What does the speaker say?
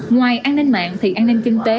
ngoài an ninh mạng thì an ninh kinh tế